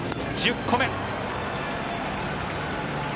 １０個目。